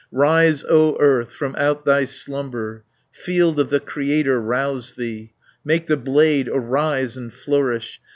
"Rise, O earth; from out thy slumber, Field of the Creator, rouse thee, Make the blade arise and flourish.